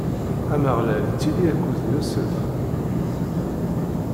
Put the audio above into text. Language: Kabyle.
Ameɣlal ittili akked Yusef.